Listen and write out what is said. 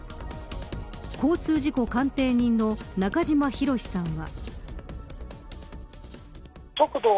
交通事故鑑定人の中島博史さんは。